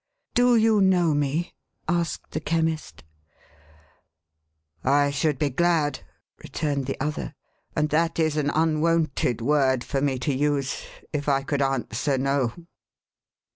" Do you know me ?" asked the Chemist. "I should be glad,"" returned the other, "and that is an unwonted word for me to use, if I could answer no."